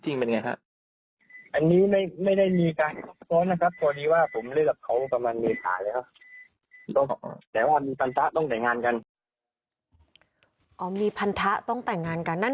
แต่ว่ามีพรรถะต้องแต่งงานกัน